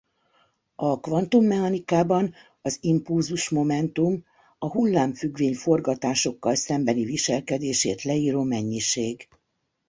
A kvantummechanikában az impulzusmomentum a hullámfüggvény forgatásokkal szembeni viselkedését leíró mennyiség.